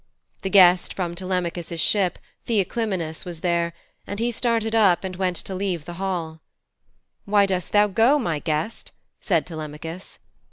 The guest from Telemachus' ship, Theoclymenus, was there, and he started up and went to leave the hall. 'Why dost thou go, my guest?' said Telemachus.